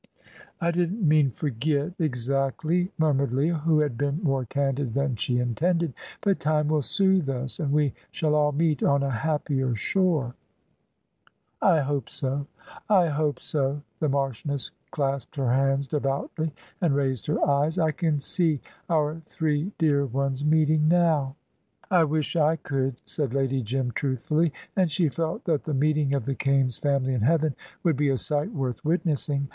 "I didn't mean forget exactly," murmured Leah, who had been more candid than she intended; "but time will soothe us, and we shall all meet on a happier shore." "I hope so I hope so"; the Marchioness clasped her hands devoutly and raised her eyes. "I can see our three dear ones meeting now." "I wish I could," said Lady Jim, truthfully, and she felt that the meeting of the Kaimes family in heaven would be a sight worth witnessing.